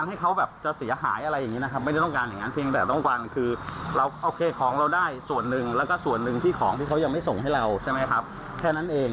เราก็ก็ได้ส่งให้เราใช่ไหมครับแค่นั้นเอง